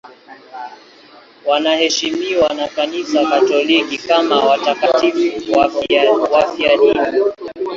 Wanaheshimiwa na Kanisa Katoliki kama watakatifu wafiadini.